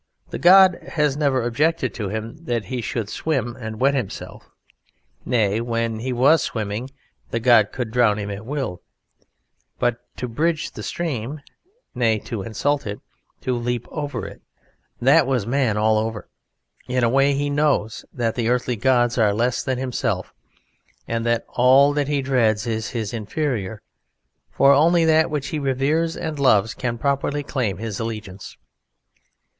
The god had never objected to him that he should swim and wet himself. Nay, when he was swimming the god could drown him at will, but to bridge the stream, nay, to insult it, to leap over it, that was man all over; in a way he knows that the earthy gods are less than himself and that all that he dreads is his inferior, for only that which he reveres and loves can properly claim his allegiance.